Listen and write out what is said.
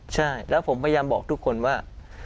ใช่แล้วผมพยายามบอกทุกคนว่า